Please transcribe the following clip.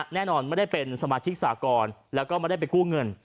ไม่ได้เป็นสมาชิกสากรแล้วก็ไม่ได้ไปกู้เงิน